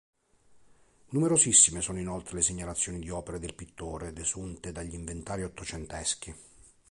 Numerosissime sono inoltre le segnalazioni di opere del pittore desunte dagli inventari ottocenteschi.